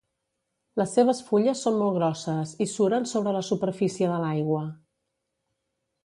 Les seves fulles són molt grosses i suren sobre la superfície de l'aigua.